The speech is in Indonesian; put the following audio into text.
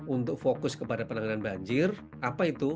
untuk fokus kepada penanganan banjir apa itu